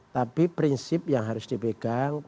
tapi prinsip yang harus dipegang